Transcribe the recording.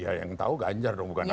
ya yang tau ganjar dong bukan aku